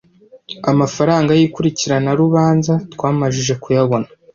amafaranga y ikurikiranarubanza twamajije kuyabona